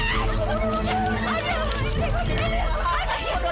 kamu diri apa